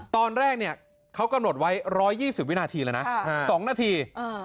ตอนแรกเนี่ยเขากำหนดไว้๑๒๐วินาทีแล้วนะ๒นาที